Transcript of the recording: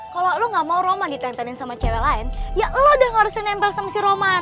kalo lu ga mau roman ditempelin sama cewek lain ya lu udah harusnya nempel sama si roman